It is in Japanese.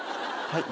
はい。